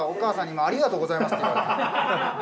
今「ありがとうございます」って。